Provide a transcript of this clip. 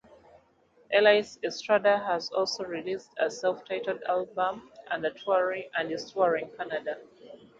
Elise Estrada has also released a self-titled album and is touring Canada.